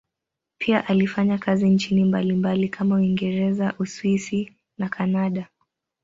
Pia alifanya kazi nchini mbalimbali kama Uingereza, Uswisi na Kanada.